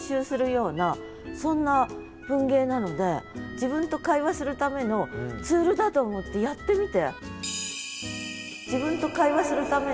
自分と会話するためのツールだと思ってやってみて。